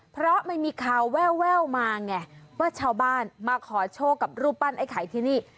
เพราะมันมีข่าวแววมาไงว่าชาวบ้านมาขอโชคกับรูปปั้นไอ้ไข่ที่นี่